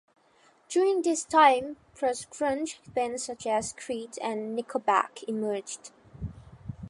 During this time, post-grunge bands such as Creed and Nickelback emerged.